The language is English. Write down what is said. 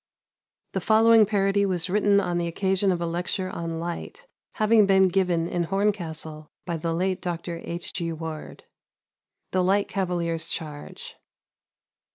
The following parody was written on the occasion of a lecture on " Light " having been given in Horncastle by the late Dr. H. G. Ward :— The "Light" Cavalier's Charge.